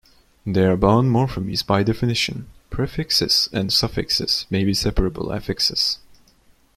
They are bound morphemes by definition; prefixes and suffixes may be separable affixes.